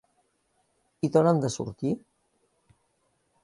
I d’on han de sortir?